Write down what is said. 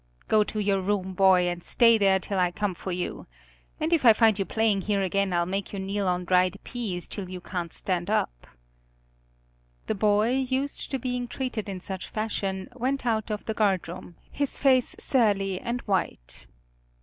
"Go to your room, boy, and stay there till I come for you. And if I find you playing here again I'll make you kneel on dried peas till you can't stand up." The boy, used to being treated in such fashion, went out of the guard room, his face surly and white.